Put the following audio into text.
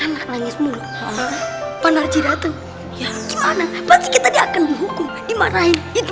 nangis mulut panar jirateng gimana pasti kita dihukum dimarahin itu